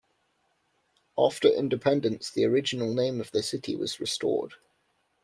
After independence the original name of the city was restored.